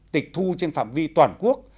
tịch thu trên phạm vi toàn quốc